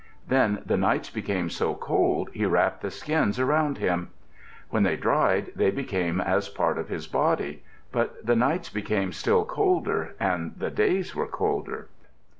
Then the nights became so cold he wrapped the skins upon him. When they dried, they became as part of his body. But the nights became still colder, and the days were colder.